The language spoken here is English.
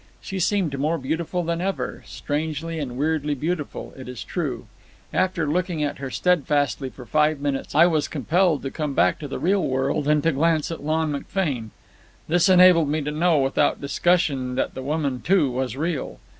She seemed more beautiful than ever—strangely and weirdly beautiful, it is true. After looking at her steadfastly for five minutes, I was compelled to come back to the real world and to glance at Lon McFane. This enabled me to know, without discussion, that the woman, too, was real.